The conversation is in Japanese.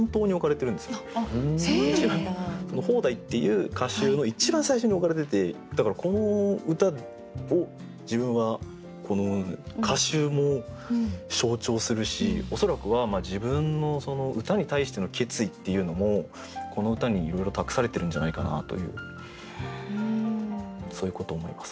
「方代」っていう歌集の一番最初に置かれててだからこの歌を自分は歌集も象徴するし恐らくは自分の歌に対しての決意っていうのもこの歌にいろいろ託されてるんじゃないかなというそういうことを思います。